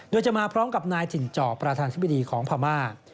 โดยจะมาพร้อมกับนายถิ่นจอประธานธิบดีของพม่า